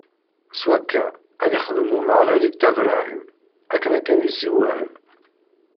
S wakka, ad ixdem Umeɣlal i Dda Bṛahim, ayen akken i s-iwɛed.